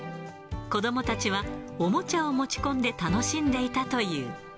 子どもたちは、おもちゃを持ち込んで楽しんでいたという。